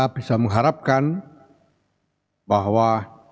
keputusan isbat ramadan akan menyatakan bahwa